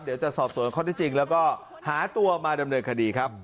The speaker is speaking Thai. เดี๋ยวจะสอบสวนข้อที่จริงแล้วก็หาตัวมาดำเนินคดีครับ